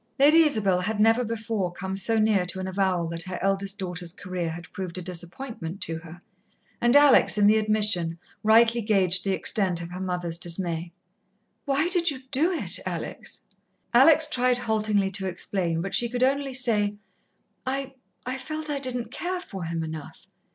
Lady Isabel had never before come so near to an avowal that her eldest daughter's career had proved a disappointment to her, and Alex in the admission, rightly gauged the extent of her mother's dismay. "Why did you do it, Alex?" Alex tried haltingly to explain, but she could only say: "I I felt I didn't care for him enough."